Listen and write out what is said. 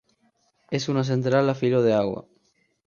Es una central a filo de agua.